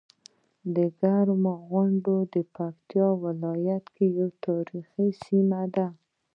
کرمو غونډۍ د پکتيکا ولايت یوه تاريخي سيمه ده.